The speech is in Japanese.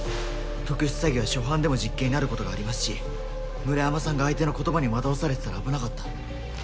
特殊詐欺は初犯でも実刑になることがありますし村山さんが相手の言葉に惑わされてたら危なかった。